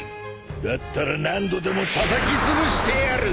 だったら何度でもたたきつぶしてやる！